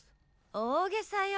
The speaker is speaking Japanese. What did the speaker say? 大げさよ。